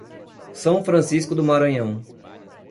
São Francisco do Maranhão